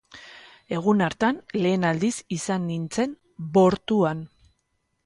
Egun hartan lehen aldiz izan nintzen bortuan!